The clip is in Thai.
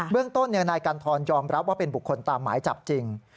เรื่องต้นนายกันทรยอมรับว่าเป็นบุคคลตามหมายจับจริง